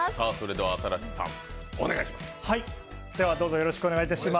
新子さん、お願いします。